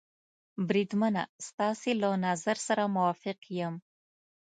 بریدمنه، ستاسې له نظر سره موافق یم.